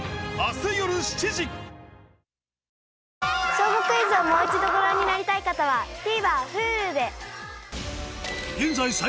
『小５クイズ』をもう一度ご覧になりたい方はＴＶｅｒＨｕｌｕで！